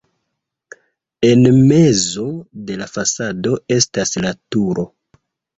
En mezo de la fasado estas la turo.